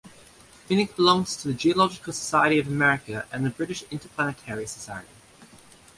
Fincke belongs to the Geological Society of America and the British Interplanetary Society.